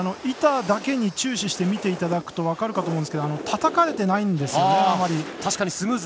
板だけに注視して見ていただくと分かるかと思うんですがたたかれてないんですよねあまり。